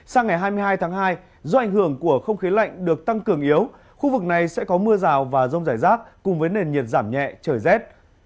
sang ngày hai mươi hai tháng hai do ảnh hưởng của không khí lạnh được tăng cường yếu khu vực này sẽ có mưa rào và rông rải rác cùng với nền nhiệt giảm nhẹ trời rét